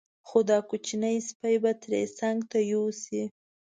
خو دا کوچنی سپی به ترې څنګه ته یوسې.